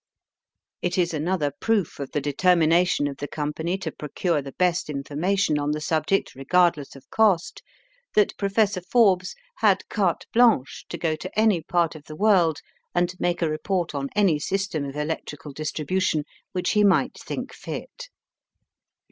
It is another proof of the determination of the Company to procure the best information on the subject, regardless of cost, that Professor Forbes had carte blanche to go to any part of the world and make a report on any system of electrical distribution which he might think fit.